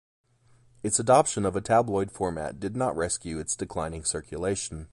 Its adoption of a tabloid format did not rescue its declining circulation.